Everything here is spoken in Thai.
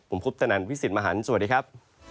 ผมพุทธนันทร์วิสิทธิ์มหันทร์สวัสดีครับ